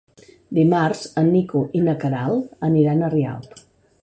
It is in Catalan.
Dimarts en Nico i na Queralt aniran a Rialp.